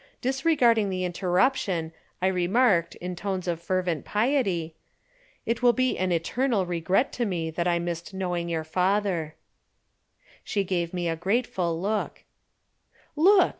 Disregarding the interruption I remarked in tones of fervent piety: "It will be an eternal regret to me that I missed knowing your father." She gave me a grateful look. "Look!"